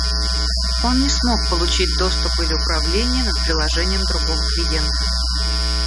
Он не смог получить доступ или управление над приложением другого клиента